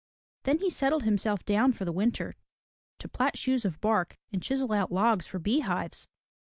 Then he settled himself down for the winter to plat shoes of bark and chisel out logs for bee hives.